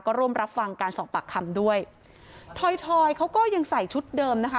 ก็ร่วมรับฟังการสอบปากคำด้วยทอยทอยเขาก็ยังใส่ชุดเดิมนะคะ